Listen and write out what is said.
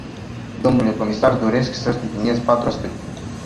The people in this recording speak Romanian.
Dle comisar, doresc să subliniez patru aspecte.